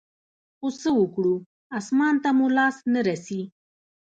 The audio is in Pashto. خو څه وكړو اسمان ته مو لاس نه رسي.